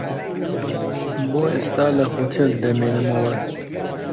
بۆ ئێستا لە هۆتێل دەمێنمەوە.